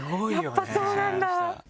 やっぱそうなんだ。